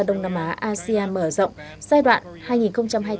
đông nam á asia mở rộng giai đoạn hai nghìn hai mươi bốn hai nghìn hai mươi bảy